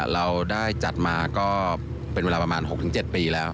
เราได้จัดมาก็เป็นเวลาประมาณ๖๗ปีแล้ว